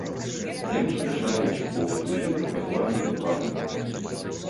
Яны спяшаюць, бо ўжо другі раз пазвалі іх упарта гудкі.